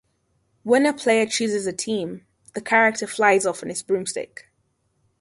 When the player chooses a team, the character flies off on its broomstick.